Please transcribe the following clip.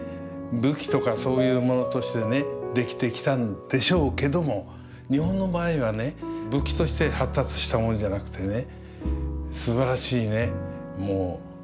武器とかそういうものとしてね出来てきたんでしょうけども日本の場合はね武器として発達したものじゃなくてね